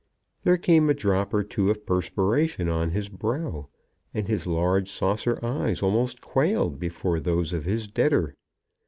There came a drop or two of perspiration on his brow, and his large saucer eyes almost quailed before those of his debtor.